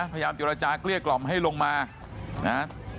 พยายามเจรจาเกลี้ยกล่อมให้ลงมานะ